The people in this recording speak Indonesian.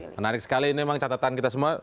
menarik sekali ini memang catatan kita semua